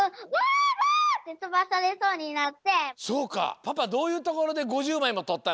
パパどういうところで５０まいもとったの？